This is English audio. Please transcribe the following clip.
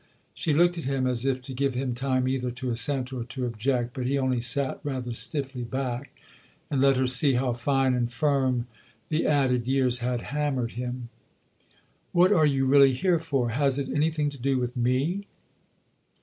She looked at him as if to give him time either to assent or to object ; but he only sat rather stiffly back and let her see how fine and firm the added years had hammered him. " What are you really here for ? Has it anything to do with me